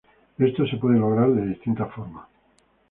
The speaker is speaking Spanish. Esto se puede lograr de distintas formas.